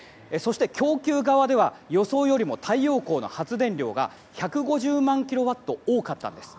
供給側では予想よりも太陽光の発電量が１５０万キロワット多かったんです。